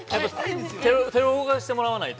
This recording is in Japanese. ◆手を動かしてもらわないと。